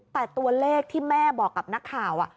แต่ตัวเลขที่แม่บอกกับนักข่าว